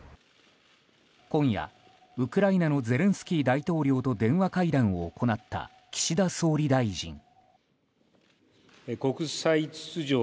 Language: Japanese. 今夜、ウクライナのゼレンスキー大統領と電話会談を行った岸田総理大臣。